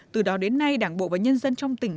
từ đó đến nay đảng bộ và nhân dân trong tỉnh